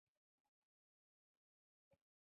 تور پوستي له سیاسي او اقتصادي حقونو بې برخې شول.